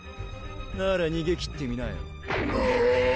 ならにげきってみなよ